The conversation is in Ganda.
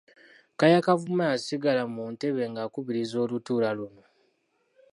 Kaaya Kavuma yasigala mu ntebe ng’akubiriza olutuula luno.